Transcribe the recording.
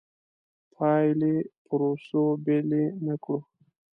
پایلې پروسو بېلې نه کړو.